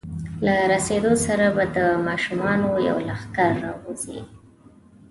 له رسېدو سره به د ماشومانو یو لښکر راوځي.